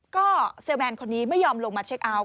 ก็เซลแมนคนนี้ไม่ยอมลงมาเช็คเอาท